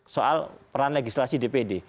soal peran legislasi dpd